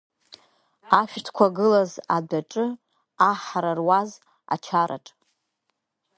Ашәҭқәа гылаз адәаҿы, аҳра руаз ачараҿ.